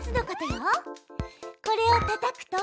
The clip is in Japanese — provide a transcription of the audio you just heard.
これをたたくと。